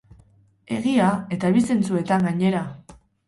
Egia, eta bi zentzuetan, gainera!